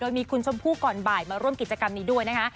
มีคุณชมพู่ก่อนบ่ายมาร่วมกิจกรรมนี้ด้วยนะคะ